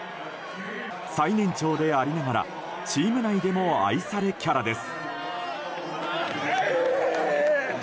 最年長でありながらチーム内でも愛されキャラです。